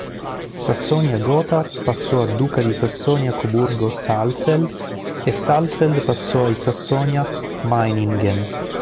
Sassonia-Gotha passò a Duca di Sassonia-Coburgo-Saalfeld e Saalfeld passò ai Sassonia-Meiningen.